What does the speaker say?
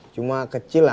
cuma kecil lah